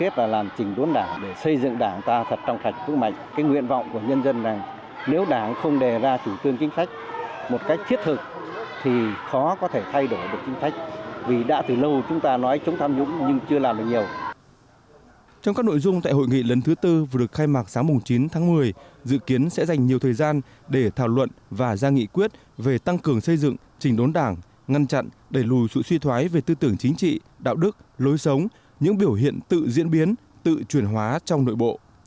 trong các nội dung tại hội nghị lần thứ bốn vừa được khai mạc sáng chín tháng một mươi dự kiến sẽ dành nhiều thời gian để thảo luận và ra nghị quyết về tăng cường xây dựng trình đốn đảng ngăn chặn đẩy lùi sự suy thoái về tư tưởng chính trị đạo đức lôi sống những biểu hiện tự diễn biến tự chuyển hóa trong nội bộ